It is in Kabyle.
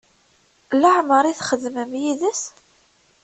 Leɛmeṛ i txedmem yid-s?